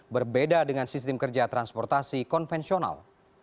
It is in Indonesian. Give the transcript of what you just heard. berbeda dengan sistem kerja transportasi konvensional